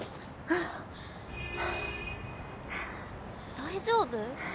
大丈夫？